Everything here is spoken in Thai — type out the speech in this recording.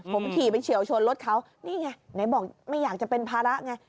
ผมขี่ไปเฉียวชนรถเขานี่ไงไหนบอกไม่อยากจะเป็นภาระไง